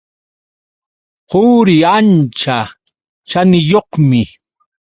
Quri ancha chaniyuqmi.